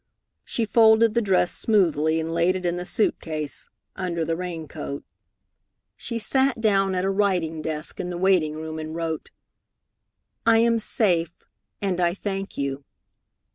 She folded the dress smoothly and laid it in the suit case, under the rain coat. She sat down at a writing desk, in the waiting room, and wrote: "I am safe, and I thank you."